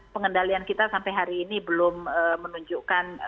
pengendalian kita sampai hari ini belum menunjukkan